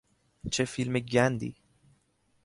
چه فیلم گندی!